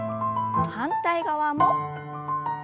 反対側も。